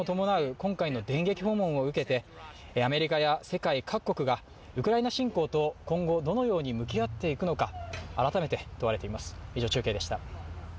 今回の電撃訪問を受けてアメリカや世界各国がウクライナ侵攻と今後どのように向き合っていくのか、改めて問われています。